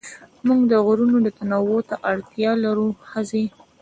موږ د غږونو تنوع ته اړتيا لرو ښځې